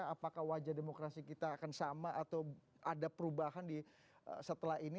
apakah wajah demokrasi kita akan sama atau ada perubahan setelah ini